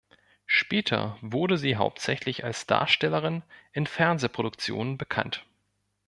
Später wurde sie hauptsächlich als Darstellerin in Fernsehproduktionen bekannt.